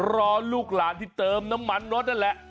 รอลูกหลานที่เติมน้ำมันรถนั่นแหละ